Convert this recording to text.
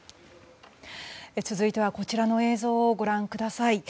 続いては、こちらの映像をご覧ください。